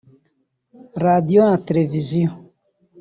Radiyo na televiziyo